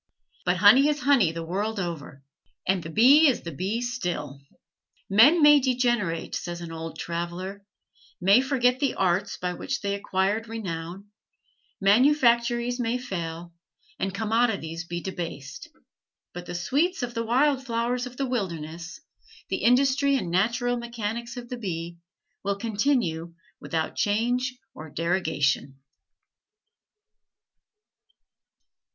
But honey is honey the world over; and the bee is the bee still. "Men may degenerate," says an old traveler, "may forget the arts by which they acquired renown; manufactories may fail, and commodities be debased, but the sweets of the wild flowers of the wilderness, the industry and natural mechanics of the bee, will continue without change or derogation."